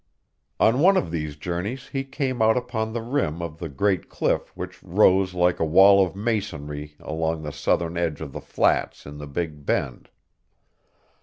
On one of these journeys he came out upon the rim of the great cliff which rose like a wall of masonry along the southern edge of the flats in the Big Bend.